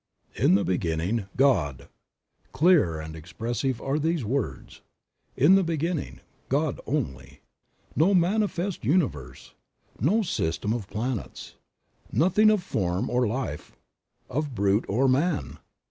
66 TN the beginning, God !" Clear and expressive are these words. In the beginning, God only. No manifest universe! No system of planets! Nothing of form or life, of brute or man